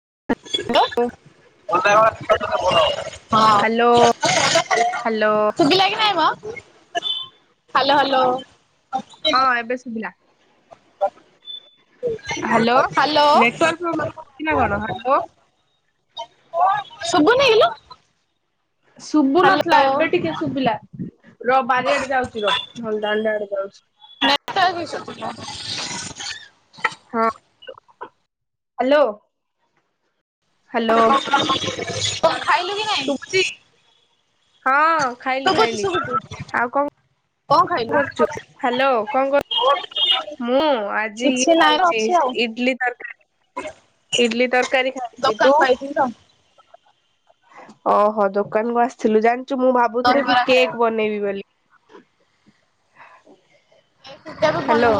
[unintelligible] ହଁ ସୁୁଭିଲା ହାଲୋ କି ହାଲୋ ନାଇଁ ମ? Hello hello. ହଁ ଏବେ ଶୁଭିଲା। ହାଲୋ ନେଟୱର୍କ ପ୍ରୋବ୍ଲେମ ହଉଚି ନା କଣ ହାଲୋ। ଶୁଭୁନି କିଲୋ ଶୁଭୁନଥିଲା ହାଲୋ ଏବେ ଟିକେ ଶୁଭିଲା ର ବାରିଆଡେ ଯାଉଚି ର ଧଣ୍ଡାନେ ନେଟୱର୍କ ଇସୁ ହଁ ଥିବ। ହାଲୋ। ହାଲୋ ଓ ଖାଇଲୁ କି ନାଇଁ? ଶୁଭୁଚି ହଁ ଖାଇଲି ଶୁଭୁଛି ଖାଇଲି ଶୁଭୁଛି ଆଉ କଣ କଣ ଙ୍କ ଖାଇଲୁ କରୁଚୁ ହାଲୋ ଙ୍କ କରୁ ମୁଁ ଆଜି କିଛି ଇଏ ନାଇଁ ରେ ହଉଚି ଅଛି ଆଉ ଇଡଲି ତରକାରୀ। ଇଡଲି ତରକାରୀ ଖାଉଚି ଦୋକାନ ତୁ କୁ ଆଇଥିଲି ତ ଓହୋ ଦୋକାନ କୁ ଆସିଥିଲୁ ଜାଣିଚୁ ମୁଁ ଭାବୁଥିଲି କି ଦହିବରା କେକ୍ ଖାଇବାକୁ ବନେଇବି ବୋଲି। [unintelligible] କେକ୍ ବନେଇଲେ ହାଲୋ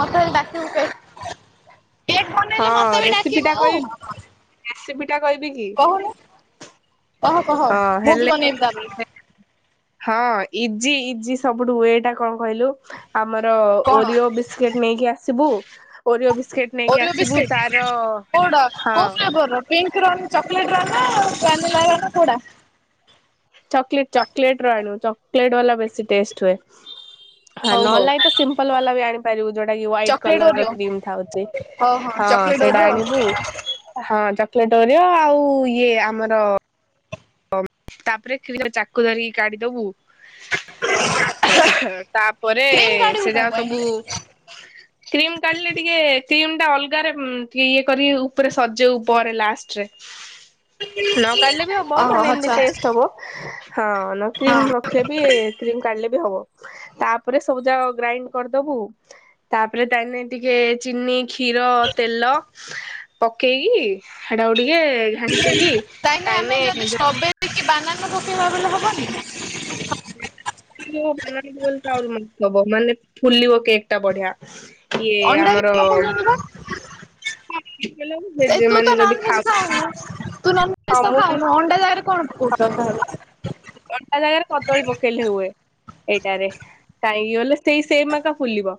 ହଁ ମତେ ବି ରେସିପି ଟା ଡାକିବୁ କହିବି ରେସିପି ଟା କହିବି କି? କହୁନୁ ଅ କହ ହଁ ମୁଁ ହେଲେ ବି ବନେଇବି ତାଆର ଦିନ। ହଁ ଇଜି ଇଜି ସବୁଠୁ ଏଟା ଙ୍କ କହିଲୁ ଆମର କଣ ଓରିଓ ବିସ୍କେଟ ନେଇକି ଆସିବୁ ଓରିଓ ବିସ୍କେଟ ନେଇକି ଆସିବୁ ବସ୍କିଟ ତାର କଉଡ ହଁ କୋଉ ଫ୍ଲେବର ପିଙ୍କର ନା ଚକ୍ଲେଟ [inaudible] ଚକଲେଟ ଚକଲେଟ ର ଆଣିବୁ ଚକୋଲେଟ ବାଲା ବେଶୀ ଟେଷ୍ଟ। ହଁ ହଉ ହଉ ନହେଲେନା ତ ସିମ୍ପଲ ବାଲା ବି ଆଣିପାରିବୁ ଯୋଉଟା କି white chocolate colour Oreo creamy ଥାଉଛି ହଁ। ହଉ ହଁ ଚକୋଲେଟ୍ ସେଇଟା ଓରିଓ ଆଣିବୁ ହଁ ଚକୋଲେଟ ଓରିଅ ଆଉ ଇଏ ଆମର ତାପରେ ଖ୍ୟୁରା ଚାକୁ ଧରିକି କାଢିଦବୁ। ତାପରେ କ୍ରିମ୍ କାଢିବୁ ସେ ମୋ ଯାହା ପାଇଁ ସବୁ କ୍ରିମ କାଢିଲେ ଟିକେ କ୍ରିମ ଟା ଅଲଗାରେ ଠି ଇଏ କରି ଉପରେ ସଜାଉ ପରେ ଲାଷ୍ଟରେ। ନ କଢିଲେ ବି ହବ ଓହୋ ମାନେ ଆଚ୍ଛା ଟେଷ୍ଟ ହବ ହଁ ନ କ୍ରିମ ହଁ ରଖିଲେ ବି କ୍ରିମ କାଢିଲେ ବି ହବ। ତାପରେ ସବୁ ଯାକ ଗ୍ରାଇଣ୍ଡ କରିଦବୁ। ତାପରେ ଦାନିରେ ଟିକେ ଚିନି କ୍ଷୀର ତେଲ ପକେଇକି ଏଟା କୁ ଟିକେ ଘାଣ୍ଟିକି କାଇଁ ନା ଆମେ ତାହନେ ଯଦି ଜୋ ଷ୍ଟ୍ରବେରୀ କି ବାନାଙ୍କ ପକେଇବାବେଳେ ହବନି? [unintelligible] ମାନ ଆ ମ ହବ ମାନେ ଫୁଲିବ କେକ୍ ଟା ବଢିଆ। କିଇଏ ଅଣ୍ଡା ବି ଆମର ପକଉଛନ୍ତି ବା ଏ ଯିଏ ତୁ ତ ମାନେ ଯଦି ନନଭେଜ ଖାଉଚୁ ଖାଉନୁ ତୁ ନହେଲେ କିଛି ତ ଖାଉନୁ ଅଣ୍ଡା ଯାଗାରେ କଣ ପକୋ ଉଚୁ ତାହେଲେ? ଅଣ୍ଟା ଜାଗାରେ କଦଳୀ ପକେଇଲେ ହୁଏ। ଏଇଟାରେ କାହିଁକିଗଲେ ସେଇ ସେମେଏକା ଫୁଲିବ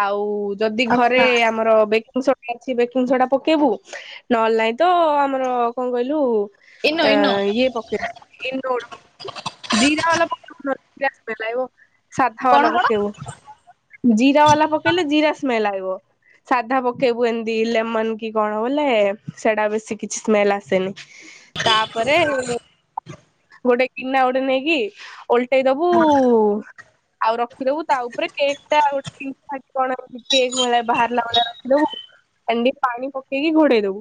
ଆଉ ଯଦି ଘରେ ଆଚ୍ଛା ଆମର ବେକିଂ ସୋଡ ଛି ବେକିଂ ସୋଡା ପକେଇବୁ ନହେଲେ ନାଇଁ ତ ଆମର କଣ କହିଲୁ ଇନୋ ଆ ଇନୋ ଇଏ ପକେଇବୁ ଇନୋଡ଼ ପକେଇବୁ। ଜିରା ବାଲା ପାଉଡର [unintelligible] ସାଧା କଣ ବାଲା କଣ ପକେଇବୁ ଜିରା ବାଲା ପକେଇଲେ ଜିରା ସ୍ମେଲ ଆବ। ସାଧା ପକେଇବୁ ଏମିତି ଲେମନ କି କଣ ବୋଲେ ସେଟା ବେଶୀ କିଛି ସ୍ମେଲ ଆସେନି। ତାପରେ ଗୋଟେ କିନା ଗୋଟେ ନେଇକି ଓଲଟେଇ ଦବୁ ଆଉ ରଖିଦବୁ ତା ଉପରେ କେକ୍ ଟା ଆଉ ଗୋଟେ ତିନି ଥାକି କଣ କେକ୍ ଭଳିଆ ବାହାରିଲା ଭଳିଆ ରଖିଦବୁ। କଣ୍ଡି ପାଣି ପକେଇକି ଘୋଡେଇ ଦବୁ।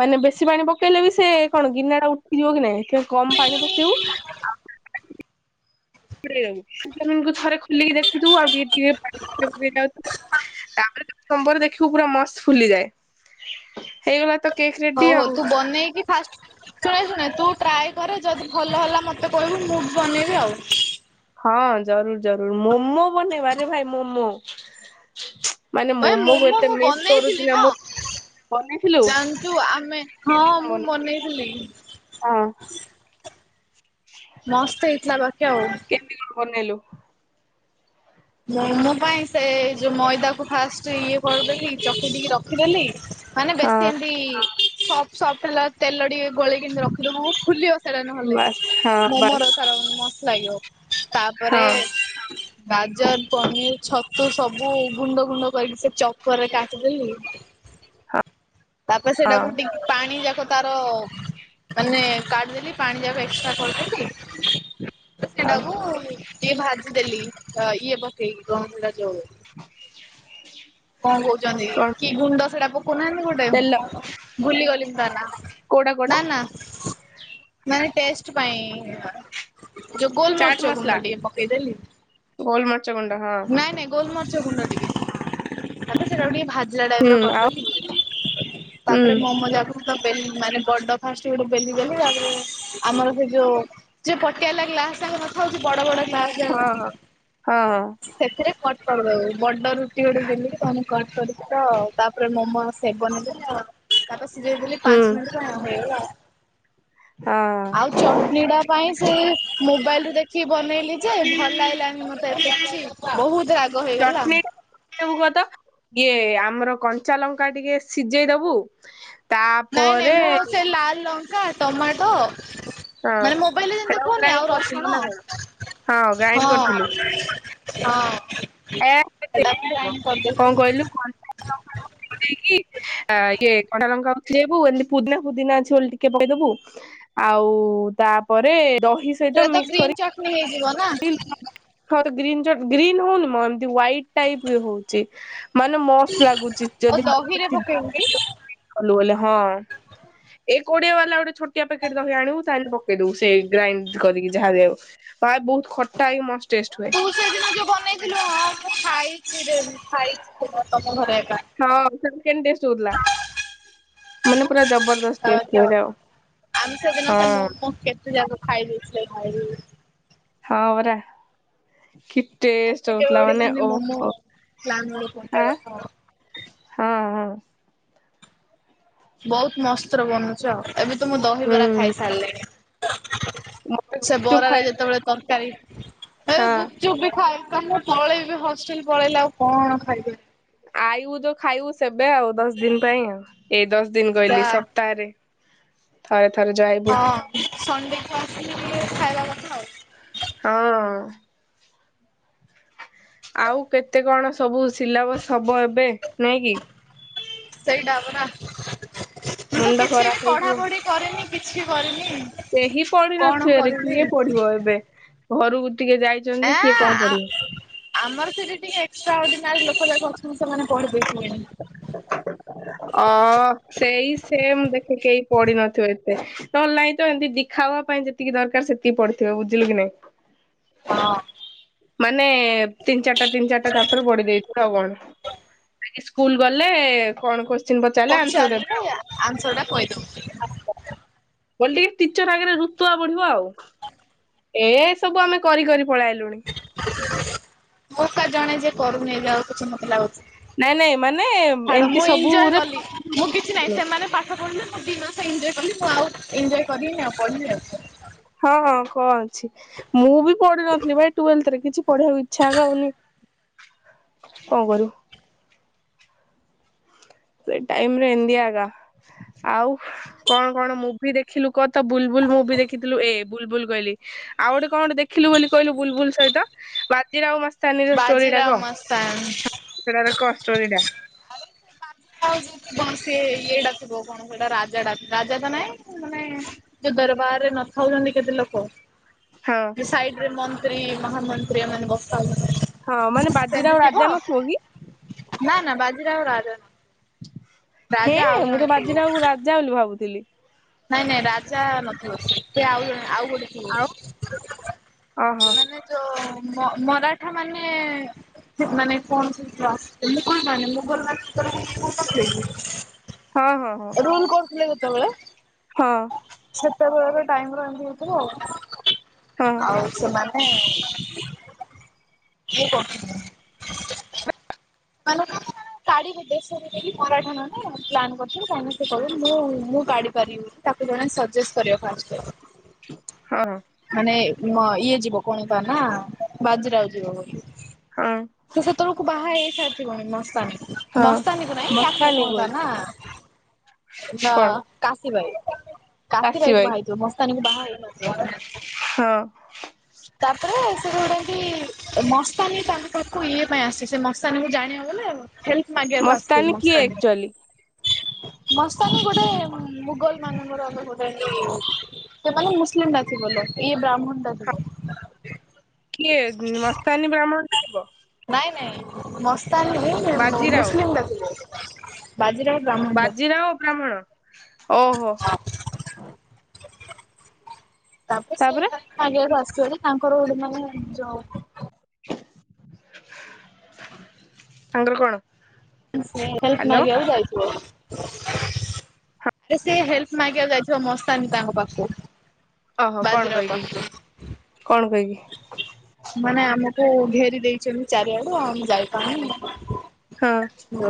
ମାନେ ବେଶୀ ପାଣି ପକେଇଲେ ବି ସେ କଣ ଗିନା ଟା ଉଠିଯିବ କି ନା ନାଇଁ କମ ପାଣି ପକେଇବୁ। [unintelligible] [unintelligible] ଥରେ ଖୋଲିକି ଦେଖୁୁଥିବୁ ଆଉ ଟିକେ ଟିକେ ପାଣି ପକେଇ ପକେଇ ଯାଉଥିବୁ। ତାପରେ ସମ୍ବର ଦେଖିବକୁ ପୁରା ମସ୍ତ ଫୁଲିଯାଏ, ହେଇଗଲା ତ। କେକ୍ ରେଡି ହଉ ହଉ ଆଉ। ତୁ ବନେଇକି କି ଫାଷ୍ଟ ଶୁଣେ ଶୁଣେ ତୁ ଟ୍ରାଏ କରେ ଯଦି ଭଲ ହେଲା ମତେ କହିବୁ ମୁଁ ବି ବନେଇବି ଆଉ। ହଁ ଜରୁର ଜରୁର ମୋମୋ ବନେଇବାରେ ଭାଇ ମୋମୋ। ମାନେ ଭାଇ ମମୋ କୁ ମୋମୋ ଏତେ ମୁଁ ମିସ୍ ବନେଇଥିଲି କରୁଛି ନା ମ ମୁଁ। ବନେଇଥିଲୁ ଜାଣିଛୁ ଆମେ ମୁଁ [unintelligible] ହଁ। ବନେଇଥିଲି ମସ୍ତ ହେଇଥିଲା ବାକି ଆଉ। କେମିତି କଣ ବନେଇଲୁ? ମୋ ମା ପାଇଁ ସେ ଯୋଉ ମଇଦାକୁ ଫାଷ୍ଟ ସେ ଇଏ କରିଦେଲି ଚକୁଟି କି ରଖିଦେଲି ମାନେ ହଁ। ବେଶୀ ଏମତି ସଫ ସଫଟ ହେଲା। ତେଲ ଟିକେ ଗୋଳେଇକି ରଖିଦବୁ ଫୁଲିବ ସେଇଟା ନହେଲେ ବାସ୍ ହଁ ବାସ୍ ମୋମୋର ସାରମସ୍ତ ଲାଗିବ। ହଁ ତାପରେ ବା ପନିର, ଛତୁ ସବୁ ଗୁଣ୍ଡ ଗୁଣ୍ଡ କରିକି ସେ ଚପରରେ କାଟିଦେଲିି। ତାପରେ ହଁ ସେଟାକୁ ଟିକେ ପାଣି ଯାକ ତାର ମାନେ କାଢିଦେଲି ପାଣି ଯିବାକୁ ଏକ୍ସଟ୍ରା କରିଦେଲି। ଆଉ ସେଟାକୁ ଟଇଏ ଭାଜିଦେଲି ତ ଇଏ ବ ପକେଇକି କ ସେଟା କଣ କହୁଛନ୍ତି? କଣ କି ଗୁଣ୍ଡ ସେଟା ପକଉନାହାନ୍ତି। ତେଲ ବୁଲିଗଲି ତ ନା କୋଉଟା କୋଉଟା ନା ନା। ମାନେ ଟେଷ୍ଟ ପାଇଁ। ଯୋଉ ଚାଟ୍ ଗୋଲମରିଚ ମସଲା ଗୁଣ୍ଡ ଟିକେ ପକେଇଦେଲି। ଗୋଲମରିଚ ଗୁଣ୍ଡ ହଁ ନାଇଁ ନାଇଁ ଗୋଲମରିଚ ଗୁଣ୍ଡ ଟିକେ। ତା ପରେ ସେଟାକୁ ଟିକେ ଭାଜିଲା ଟାଇପ ହୁଁ ର ଆଉ କରିଦେଲି ହୁଁ ତାପରେ ମୋମୋ ଯାକ ମୁ ତ ବେଲି ମାନେ ବଡ ଫାଷ୍ଟ ଗୋଟେ ବେଲି ଦେଲି ତାପରେ ଆମର ସେ ଯୋଉ ସେ ପଟି ବାଲା ଗ୍ଲାସ୍ ସଙ୍ଗେ କଥା ହଉଚି ବଡ ବଡ ତା ହଁ ହଁ ହଁ ସେଥିରେ କଟ କରିଦେବ ଦବ ବଡ ରୁଟି ଗୋଟେ ବେଲି ତମେ କଣ କରି ତ ଆଉ ତାପରେ ମୋମୋ ସେବନେଇଦେଲ। ତାପରେ ସିଝେଇ ଦେଲି ହୁଁ ପାଞ୍ଚ ମିନିଟ ହେଇଗଲାଉ। ହଁ ଆଉ ଚଟଣି ଟା ପାଇଁ ସେ ମୋବାଇଲ ରୁ ଦେଖିକି ବନେଇଲି ଯେ ଭଲ ଲାଗିଲାନି ମୁଁତେ ଏତ କିଛି ବହୁତ ରାଗ ହେଇଗଲା। ଚଟଣିୀ ରେ କଣ ପକେଇବୁ କ ତ? ଇଏ ଆମର କଞ୍ଚା ଲଙ୍କା ଟିକେ ସିଝେଇ ଦବୁ। ନାଇଁ ନାଇଁ ତାପରେ ମୁଁ ସେ ଲାଲ ଲଙ୍କା, ଟମାଟୋ ହଁ ମାନେ ମୋବାଇଲରେ ସେଟାକୁ ଦେଖୁଉନି ଗ୍ରାଇଣ୍ଡ ଆଉ ରସୁଣ। କରିଥିଲୁ ନା କଣ ହଁ ଗ୍ରାଇଣ୍ଡ କରିଥିଲୁ ହଁ ହଁ। [unintelligible] ସେଟାକୁ ଗ୍ରାଇଣ୍ଡ କଣ କରିଦେଇଥିଲି। କହିଲୁ? [unintelligible] ଆ ଇଏ କଟା ଲଙ୍କାବୁ ଏମିତି ପୁଦିନା ଫୁଦିନା ଅଛି ବୋଲି ଟିକେ ପକିଦେବୁ ଆଉ। ତାପରେ ଦଶ ସେରେ ତ ଗ୍ରୀନ୍ ଚାଟଣି ହେଇଯିବ। ନା [unintelligible] ଗ୍ରୀ ଗ୍ରୀନ୍ ହଉନି ମ ଏମତି ୱେଇଟ୍ ଟାଇପ ହଉଛି। ମାନେ ମସ୍ତ ଲାଗୁଚି ଆଉ ଯଦି ଦହିରେ ପକେଇବୁ କି? [unintelligible] କଲୁ ବୋଲି, ହଁ। ଏଇ କୋଡିଆ ବାଲା ଗୋଟେ ଛୋଟିଆ ପକେଟ ର ଆଣିବୁ ତାହେଲେ ପକେଇଦବୁ ସେ ଗ୍ରାଇଣ୍ଡ କରିକି ଯାହା ବି ହଉ ବହୁତ ଖଟା ହେଇକି ମସ୍ତ। ଟେଷ୍ଟ ହୁଏ। ତୁ ସେଇଦିନ ଯୋଉ ବନେଇଥିଲୁ ହଁ ମୁଁ ଖାଇ [unintelligible] ଖାଇ ତମ ଘରେ ଏକା। କେମିତି ଡ୍ରେସ୍ ଶିଖିଥିଲା ମାନେ ପୁର ଜବରଦସ୍ଥ ଆଉ। ଆମେ ସେଦିନ ସେ ହଁ ମୋ କେତେ ଯାକ ଖାଇବୁ ସେ ଖାଇ ହଁ ପରା କି ଟେଷ୍ଟ ଆଉଥରେ କେବେ ହଉଥିଲା ଗୋଟେ ମାନେ ଖାଲି ମୋମୋ ଓହୋ ପ୍ଲାନ୍ ଗୋଟେ ଆଁ କରିବା ହଁ କଥା ହଁ ବହୁତ୍ ମସ୍ତର ବନୁଛୁ ଆଉ ଏବେ ତ ମୁଁ ଦହିବରା ହୁଁ। ଖାଇ ସାରିଲିଣିି। ମତେ ସେ ଗୁପଚୁପ୍ ବରାରେ ଖାଇବା ଯେତେବେଳେ ତରକାରୀ ଏ ହଁ ଗୁପଚୁପ୍ ବି ଖାଏ। ତ ମୁଁ ପଳେଇବି ହଷ୍ଟେଲ ପଳେଇଲେ ଆଉ କଣ ଖାଇବେ? ଆଇବ ଯୋଉ ଖାଇବୁ ସେବେ ଆଉ ଦଶ ଦିନ ପାଇଁ ଆଉ ଏଇ ଦଶ ଦିନ କହିଲି ସପ୍ତାହରେ। ଥରେ ଥରେ ଯାଇବୁ। ସନ୍ଣ୍ଡେ ପା ଆ ଖାଇଦା ପାଥା ଆଉ ହଁ ଆଉ କେତେ କଣ ସବୁ ସିଲାବସ ହବ ଏବେ ନାଇଁ କି? ସେଇଟା ପରା ମୁଁ ତ ମୁଣ୍ଡ କିଛି ଖରାପ ବି ହେଇଯିବ ପଢାପଢି କରିନି କିଛି କରିନି। କେହି କଣ ପଢିନଥରେ କରିବି କିଏ ପଢିବ ଏବେ ଘରୁ। ଏଁ ଆମର ସେଠି ଟିକେ ଏକ୍ସଟ୍ରା ଅଡିନାାର ଲୋକ ଯାକ ଅଛନ୍ତି ସେମାନେ ପଢିବେ। ଅ ସେଇ ସେ ଦେଖିକି ଏ ପଡିିନଥିବ ଏତେ ତ ନାଇଁ ତ ଏମିତି ଦେଖା ହବା ପାଇଁ ଯେତିକି ଦରକାର ସେତିକି ପଡିଥିବ ବୁଝିଲେ କି ନାଇଁ। ହୁଁ ହଁ। ମାନେ ତିନି ଚାରିଟା ତିନି ଚାରିଟା ଚ ଚାପ୍ଟର ପଢି ଦେଇେଇଥିଲ ଆଉ କଣ। ସ୍କୁଲ୍ ଗଲେ କଣ କୋଶ୍ଚିନ୍ ପଚାରିଲେ ଆନ୍ସର ଦେବେ ଆଉ ଆନ୍ସର ଟା କହିଦଉଛି କଲି ଟିକେ ଟିଚର୍ ଆଗରେ ରଋତୁଆ ବଢିବ ଆଉ ଏ ସବୁ ଆମେ କରି କରି ପଳେଇଲୁଣି। ମୋ କ ଜଣେ ଯେଏ କରୁନି ଯ ଆଉ କିଛି ମତେ ଲାଗୁଛି। ନାଇଁ ନାଇଁ ମାନେ ଛାଡ ଏମିତି ମୁଁ ଏଞ୍ଜୟ ସବୁରେ କଲି ମୁଁ କିଛି ନାହିଁ ସେମାନେ ପାଠ ପଢିଲେ। ସ ଦି ମାସ ଏଞ୍ଜୟ କ ଆଉ ଏଞ୍ଜୟ କରିବି ଆଉ ପଢିଲି ଆଉ ହଁଁ କଣ ଅଛି ମୁଁ ବି ପଢିିନଥିଲି ଭାଇ ଟୁଏଲ୍ଥରେ କିଛି ପଢିବାକୁ ଇଚ୍ଛା ଆ ଆଉନି କଣ କରିବୁ। ସେ ଟାଇମରେ ଏମିତିଆ ଆଗା ଆଉ କଣ କଣ ମୁଭି ଦେଖିଲୁ କ ତ ବୁଲବୁଲ୍। ମୁ ବି ଦେିଥିଲୁ ଏ ବୁଲ୍ବୁଲ୍ କହିଲି ଆଉ ଗୋଟେ କଣ ଗ ଦେଖିଲୁ ବୋଲି କହିଲୁ ବୁଲ୍ବୁଲ୍ ସହିତ ବାଜି ରାଓ ମସ୍ ାନର ଷ୍ଟୋରି ଟା ବାଜିରାଓ କଣ ମସ୍ତାନ ସେ କଣଷ୍ଟୋରିଟା। ଆଉ କଣ ସି ଇଏଟା ଥିବ କଣ ସେଟା ରାଜାଟା ରାଜା ତ ନାଇଁ ମାନେ ଯୋଉ ଦରବାରରେ ନଥାଉଛନ୍ତି କେତେ ଲୋକ ହଁ ସାଇଡ୍ ରେ। ମ୍ରୀ ମହାନ ମନ୍ତ୍ରୀ ଆମନ ଗପତ। ହଁ ମାନେ ବାଜିରାଓ ସେମିତି ରାଜା ଥିବ ନଥିବ କି? ନା ନା ବାଜିରେ ଆ ରାଜନ ହେଁ ମୁଁ ତ ବାଜିଟାକୁ ରାଜା ବୋଲି ଭାବୁଥିଲି। ନାଇଁ ନାଇଁ ରାଜା ନଥିବ ସେ ଆଉ ଜଣେ ଆଉ ଗେଟେ। ଆଉ ଓହୋ ମାନେ ଯୋ [inaudible] ମରାଠା ମାନେ। ସେ ମାନେ ଫ ମୁଲ [inaudible] [inaudible] ହଁ ହଁ ହଁ। କେତେବେଳେ ହଁ ସେତେବେଳେ ର ଟାଇମ୍ ରେ ଏମତି ହେଇଥିବ ଆଉ। ହଁ ଆଉ ସେମାନେ ଇଏ କରୁଥିଲେ। [inaudible] ମ [inaudible] [inaudible] କାଢି ଦେେଶରେ [inaudible] ଯକି ମରାଠା ମାନେ ପ୍ଲନ୍ କରିଥିଲେ କହିକି [inaudible] ସେ କହ ମୁଁ ମୁଁ କାଢି ପାରିବି ବୋଲି ତାକୁ ଜଣେ ସଜେଷ୍ଟ କରିବା। [inaudible] ମାନେ ଇଏ ଯିବ ମ କଣ ତ ନା ବାଜରାଉ ଯିବ ବୋଲି ହଁ ତ ସେତେବେଳକୁ ବାହା ହେଇସାରିଥିବନଣି ମସାଣି ହଁ ମସ୍ତାନୀକୁ ନାଇଁ ୟାକୁ ମସ୍ତାନୀ କଣ ଗୋଲ କର ନା କଣ କାଶୀ ଭାଇ କାଶୀ ଭାଇ କୁ କାଶୀବାଇ ବାହା ହେଇଥିବ ମସ୍ତାନୀକୁ ବାହା ହେଇନଥିବ। ହଁ ତାପରେ ସେ ଗୋଉଟା କି ମସ୍ତାନୀ ତାଙ୍କ ପାଳଖକୁ ଇଏ ପାଇଁ ଆସି ସେ ମସ୍ତାନୀକୁୁ ଜାଣିବା ବ ଆଉ ହେଲ୍ପ ମାଗିବାକୁ ମସ୍ତାନୀ ଆସଥିଲୁ କିଏ ଆକ୍ଚୁଆଲି ମସ୍ ମସ୍ତାନୀ ଗୋଟେ ମୁଗଲ ମାନଙ୍କର ଗୋଟେ ସେମାନେ ମୁସଲିମ ନଥିଲେ। ଏଇ ବ୍ରାହ୍ମଣ ଟା କିଏ ମସ୍ତାନୀ ବ୍ରାହ୍ମଣ କରିବ। ମସ୍ତାନି ମୁସଲିମ ର ଥିଲେ, ବାଜିର ବାଜିରାଉତ ଓହୋ ତାଙ୍କୁ ସେ ତାପରେ ଆଗକୁ ଆସିିବ ତାଙ୍କର ଗ ମାନେ [unintelligible] [unintelligible] ତାଙ୍କର କଣ? ହେଲପ ହ୍ୟାଲୋ ମାଗିବାକୁ ଯାଇଥିବେ ସେ ହେଲ୍ପ ମାଗିବାକୁ ଯାଇଥିବ ମସ୍ତାନି ତାଙ୍କ ପାଖକୁ ଓହୋ କଣ ବାଜିରାଉତ କହିବି? ପାଖକୁ କଣ କହିବି? ମାନେ ଆମକୁ ଘେରି ଦେଇଛନ୍ତି ଚାରିଆଡୁ ଆଉ ମୁ ହଁ ଯାଇପାରୁନି।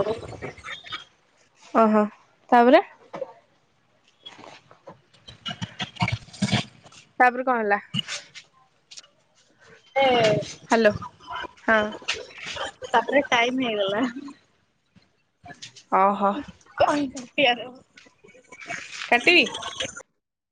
[unintelligible] ଓହୋ, ତାପରେ ତାପରେ କଣ ହେଲା? ହଁ ହାଲୋ ହଁ ତାପରେ ଟାଇମ ହେଇଗଲା। ଓହୋ [unintelligible] କାଟିବି?